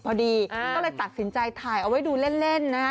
พอดีก็เลยตัดสินใจถ่ายเอาไว้ดูเล่นนะฮะ